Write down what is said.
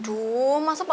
aduh masa pak